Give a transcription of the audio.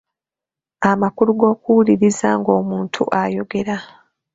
Amakulu g’okuwuliriza nga omuntu ayogera.